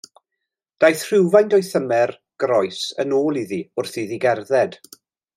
Daeth rhywfaint o'i thymer groes yn ôl iddi wrth iddi gerdded.